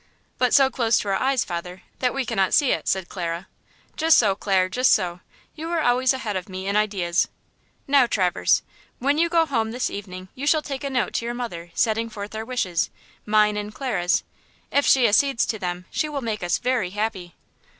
"But so close to our eyes, father, that we cannot see it," said Clara. "Just so, Clare; just so. You are always ahead of me in ideas. Now, Traverse, when you go home this evening you shall take a note to your mother setting forth our wishes–mine and Clara's; if she accedes to them she will make us very happy."